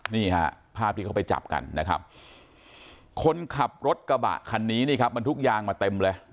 นี่ฮะภาพที่เขาไปจับกันนะครับคนขับรถกระบะคันนี้นี่ครับมันทุกยางมาเต็มเลย